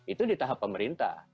itu di tahap pemerintah